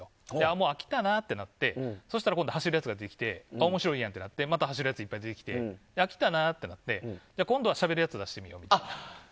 もう飽きたなってなって今度、走るやつが出てきて面白いやんってなってまた走るやつ出てきて飽きたなとなったら今度はしゃべるやつ出してみようみたいな。